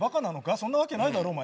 そんなわけないだろお前？